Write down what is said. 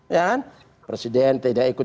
ya kan presiden tidak ikut